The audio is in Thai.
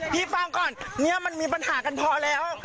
พี่แล้วมีปัญหากันพอแล้ว